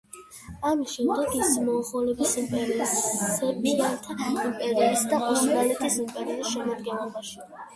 ამის შემდეგ, ის იყო მონღოლეთის იმპერიის, სეფიანთა იმპერიისა და ოსმალეთის იმპერიის შემადგენლობაში.